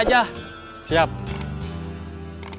kita whatsapp bags ya